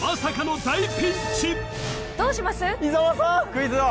クイズ王！